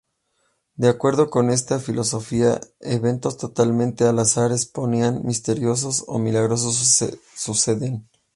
De acuerdo con esta filosofía, eventos totalmente al azar, espontáneos, misterioso, o milagrosos suceden.